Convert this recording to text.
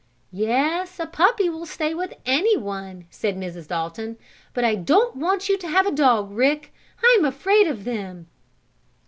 "Yes, a puppy will stay with anyone," said Mrs. Dalton. "But I don't want you to have a dog, Rick. I'm afraid of them."